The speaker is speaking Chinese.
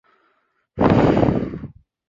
草莓听说不错